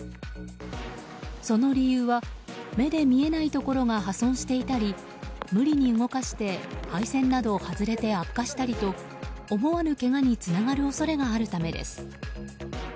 その理由は目で見えないところが破損していたり無理に動かして配線などが外れて悪化したりと思わぬけがにつながる恐れがあるためです。